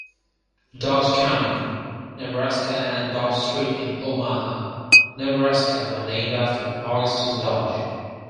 Dodge County, Nebraska and Dodge Street in Omaha, Nebraska were named after Augustus Dodge.